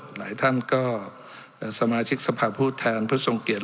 หลายท่านก็เป็นสมาชิกสภาพผู้แทนผู้ทรงเกียจ